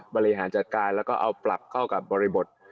บริหารจัดการแล้วก็เอาปรับเข้ากับบริบท